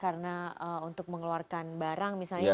karena untuk mengeluarkan barang misalnya